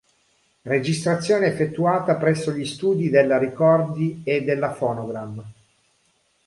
Registrazione effettuata presso gli studi della Ricordi e della Phonogram.